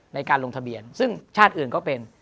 ในการลงทะเบียนซึ่งชาติอื่นก็เป็น